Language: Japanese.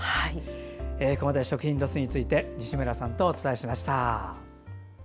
ここまで食品ロスについて西村さんとお伝えしました。